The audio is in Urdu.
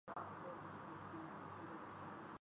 آطف اسلم غصے میں